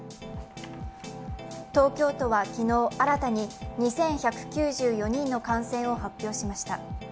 東京都は昨日、新たに２１９４人の感染を発表しました。